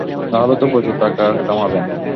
তাহলে তো প্রচুর টাকা কামাবেন।